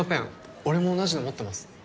俺も同じの持ってます